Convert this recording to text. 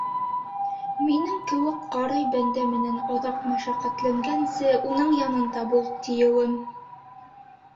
Минең кеүек ҡарый бәндә менән оҙаҡ мәшәҡәтләнгәнсе, уның янында бул, тиеүем.